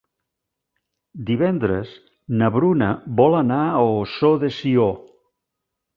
Divendres na Bruna vol anar a Ossó de Sió.